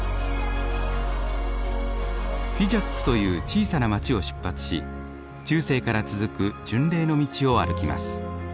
フィジャックという小さな街を出発し中世から続く巡礼の道を歩きます。